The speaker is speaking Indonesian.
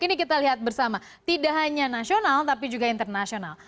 ini kita lihat bersama tidak hanya nasional tapi juga internasional